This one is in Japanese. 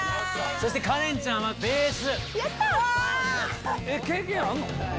そしてカレンちゃんはベース。